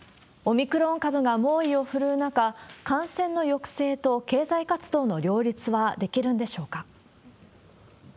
オミクロン株が猛威を振るう中、感染の抑制と経済活動の両立はできるんでしょうか。